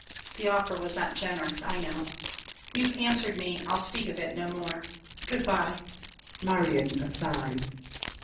The offer was not generous, I know. You've answered me. I'll speak of it no more! Good by! MARION. (aside).